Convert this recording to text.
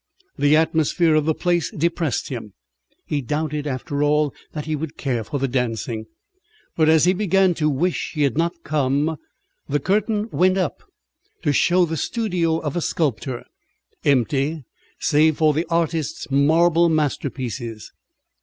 The atmosphere of the place depressed him. He doubted after all, that he would care for the dancing. But as he began to wish he had not come the curtain went up, to show the studio of a sculptor, empty save for the artist's marble masterpieces.